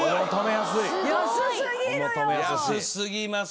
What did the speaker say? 安すぎます。